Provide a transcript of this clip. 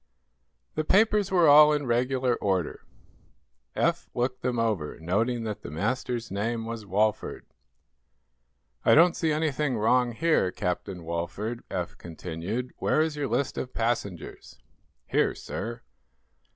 The papers were all in regular order. Eph looked them over, noting that the master's name was Walford. "I don't see anything wrong here, Captain Walford," Eph continued. "Where is your list of passengers?" "Here, sir."